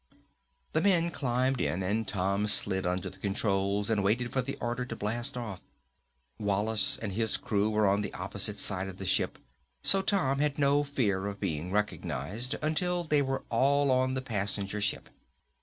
The men climbed in and Tom slid under the controls and waited for the order to blast off. Wallace and his crew were on the opposite side of the ship, so Tom had no fear of being recognized until they were all on the passenger ship.